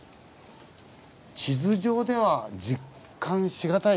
地図上では実感し難い